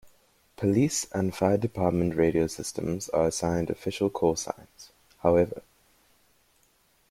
Police and fire department radio systems are assigned official callsigns, however.